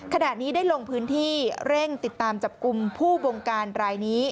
ขณะนี้ได้ลงพื้นที่เร่งติดตามจับกลุ่มผู้บงการรายนี้